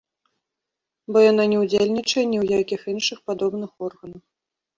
Бо яна не ўдзельнічае ні ў якіх іншых падобных органах.